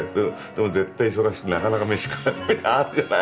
でも絶対忙しくてなかなか飯食えないみたいなのあるじゃない。